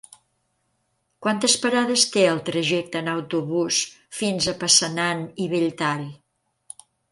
Quantes parades té el trajecte en autobús fins a Passanant i Belltall?